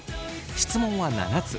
質問は７つ。